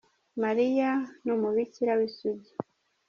Mariya ni umubikira w'isugi.